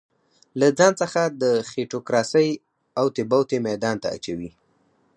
له ځان څخه د خېټوکراسۍ اوتې بوتې ميدان ته اچوي.